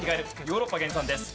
ヨーロッパ原産です。